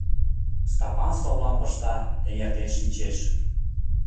Стапан совлам пышта, эҥертен шинчеш.